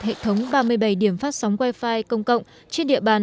hệ thống ba mươi bảy điểm phát sóng wi fi công cộng trên địa bàn